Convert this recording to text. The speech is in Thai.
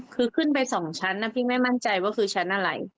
คือขึ้นไป๒ชั้นนะพี่ไม่มั่นใจว่าคือชั้นอะไร